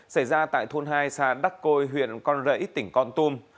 xảy ra tại thôn hai xã đắc côi huyện con rẫy tỉnh con tum